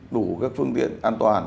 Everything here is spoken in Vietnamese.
đủ các phương tiện an toàn